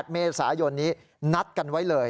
๘เมษายนนี้นัดกันไว้เลย